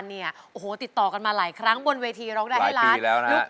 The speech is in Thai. ได้ยินเพลงนี้ก็แน่นอน